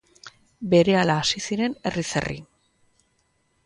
Berehala hasi ziren herriz herri.